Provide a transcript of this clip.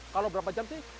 kalau berapa jam sih